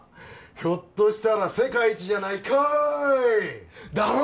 ひょっとしたら世界一じゃないかいだろ？